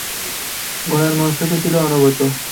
ঘোড়ার মস্তকও ছিল অবনত।